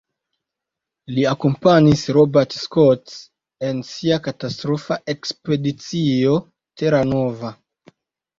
Li akompanis Robert Scott en sia katastrofa Ekspedicio Terra Nova.